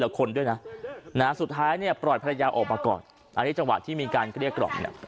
คนด้วยนะสุดท้ายเนี่ยปล่อยภรรยาออกมาก่อนอันนี้จังหวะที่มีการเกลี้ยกล่อมเนี่ย